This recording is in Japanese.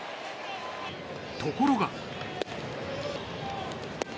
ところが。